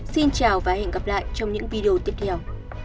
xin chào và hẹn gặp lại trong những video tiếp theo